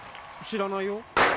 知らないよ。